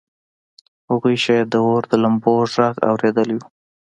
هغوی شاید د اور د لمبو غږ اورېدلی و